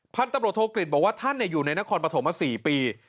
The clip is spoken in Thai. พันธุ์ตำรวจโทกฤษบอกว่าท่านอยู่ในนครปฐมมา๔ปี